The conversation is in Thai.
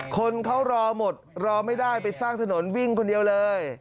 คนเขารอหมดรอไม่ได้ไปสร้างถนนวิ่งคนเดียวเลย